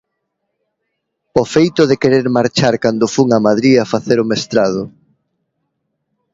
O feito de querer marchar cando fun a Madrid a facer o mestrado.